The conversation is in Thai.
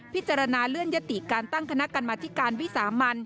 พิจารณาเลื่อนยติการตั้งคณะกรรมธิการวิสามัน